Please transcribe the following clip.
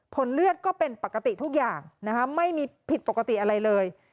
ผลเลือดก็เป็นปกติทุกอย่างไม่มีผิดปกติอะไรเลย